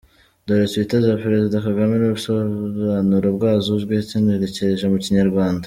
Dore twitter za Perezida Kagame n’ubusobanuro bwazo ugenekereje mu kinyarwanda: